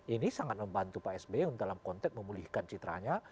ini sangat membantu pak sby dalam konteks memulihkan citranya